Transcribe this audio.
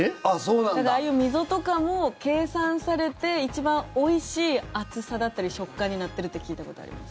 ああいう溝とかも計算されて一番おいしい厚さだったり食感になってるって聞いたことあります。